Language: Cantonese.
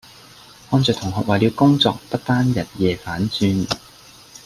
看著同學為了工作不單日夜反轉